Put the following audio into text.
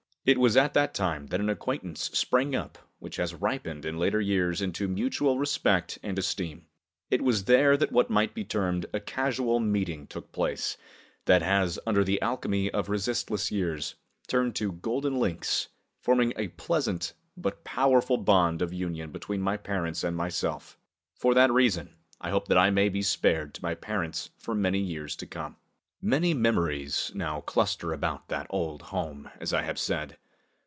It was at that time that an acquaintance sprang up which has ripened in later years into mutual respect and esteem. It was there that what might be termed a casual meeting took place, that has, under the alchemy of resist less years, turned to golden links, forming a pleasant but powerful bond of union between my parents and myself. For that reason, I hope that I may be spared to my parents for many years to come. Many memories now cluster about that old home, as I have said.